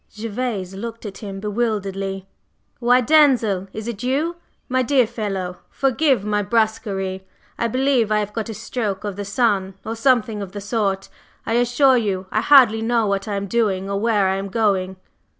Gervase looked at him bewilderedly. "Why, Denzil, is it you? My dear fellow, forgive me my brusquerie! I believe I have got a stroke of the sun, or something of the sort; I assure you I hardly know what I am doing or where I am going!"